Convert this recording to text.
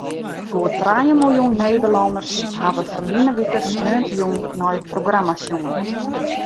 Goed trije miljoen Nederlanners hawwe ferline wike sneontejûn nei it programma sjoen.